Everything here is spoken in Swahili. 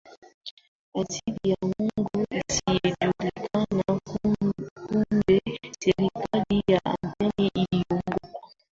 ajili ya Mungu asiyejulikana Kumbe serikali ya Athene iliogopa